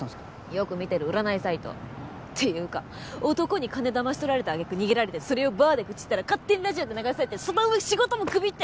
よく見てる占いサイト。っていうか男に金だまし取られた揚げ句逃げられてそれをバーで愚痴ったら勝手にラジオで流されてその上仕事もクビって！